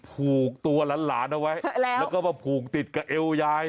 ผูกล้านหลานเอาไว้แล้วผูกติดกับเอวยาย